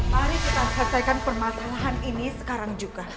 mari kita selesaikan permasalahan ini sekarang juga